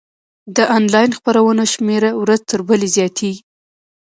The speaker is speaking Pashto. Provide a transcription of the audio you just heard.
د انلاین خپرونو شمېره ورځ تر بلې زیاتیږي.